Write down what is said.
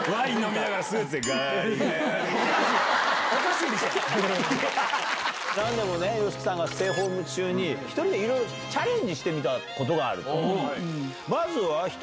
なんでもね、ＹＯＳＨＩＫＩさんがステイホーム中に、１人でいろいろチャレンジしてみたことがあると。